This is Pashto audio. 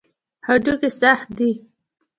هډوکي سخت دي.